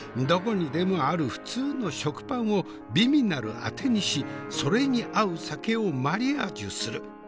どこにでもある普通の食パンを美味なるあてにしそれに合う酒をマリアージュする。